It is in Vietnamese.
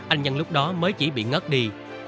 anh nhân lúc đó mới chỉ bị ngất đi